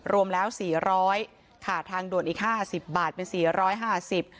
รวมแล้วสี่ร้อยค่ะทางด่วนอีกห้าสิบบาทเป็นสี่ร้อยห้าสิบ